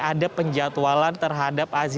ada penjatualan terhadap